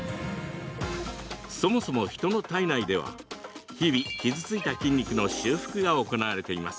そもそも人の体内では日々、傷ついた筋肉の修復が行われています。